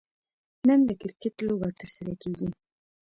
نن د کرکټ لوبه ترسره کیږي